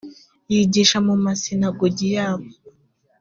yigisha mu masinagogi yabo